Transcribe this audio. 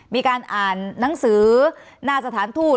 มีการอ่านหนังสือหน้าสถานทูต